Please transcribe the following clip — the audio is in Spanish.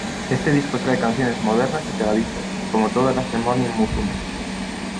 Este disco trae canciones modernas y pegadizas, como todas las de Morning Musume.